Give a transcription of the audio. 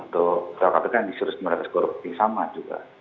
ketua kapita yang disurus sembilan ratus korupsi sama juga